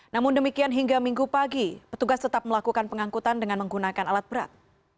namun demikian hingga minggu pagi petugas tetap melakukan pengangkutan dengan menggunakan alat berat